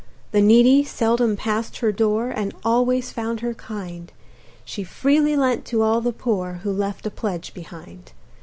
The needy seldom pass'd her door, And always found her kind; She freely lent to all the poor Who left a pledge behind.